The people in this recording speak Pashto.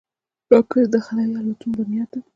راکټ د خلایي الوتنو بنیاد ده